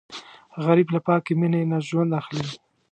غریب له پاکې مینې نه ژوند اخلي